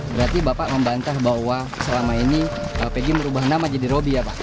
berarti bapak membantah bahwa selama ini pg merubah nama jadi robby ya pak